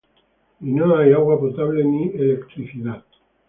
Y no hay agua potable ni electricidad.